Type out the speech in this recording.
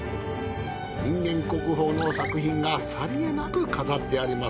人間国宝の作品がさりげなく飾ってあります。